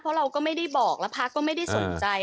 เพราะเราก็ไม่ได้บอกแล้วพระก็ไม่ได้สนใจ